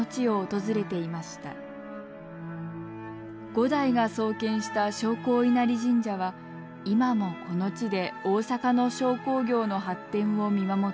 五代が創建した商工稲荷神社は今もこの地で大阪の商工業の発展を見守っています。